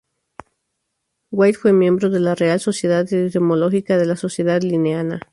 White fue miembro de la Real Sociedad Entomológica y de la Sociedad Linneana.